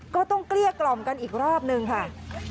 เกลี้ยกล่อมกันอีกรอบนึงค่ะ